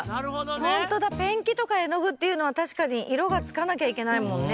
ホントだペンキとか絵の具っていうのはたしかにいろがつかなきゃいけないもんね。